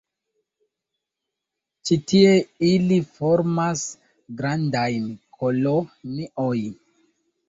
Ĉi tie ili formas grandajn kolonioj.